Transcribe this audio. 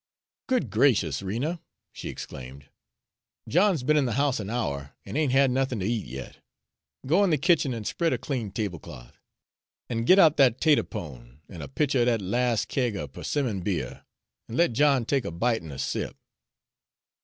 "Good gracious, Rena!" she exclaimed. "John 's be'n in the house an hour, and ain't had nothin' to eat yet! Go in the kitchen an' spread a clean tablecloth, an' git out that 'tater pone, an' a pitcher o' that las' kag o' persimmon beer, an' let John take a bite an' a sip."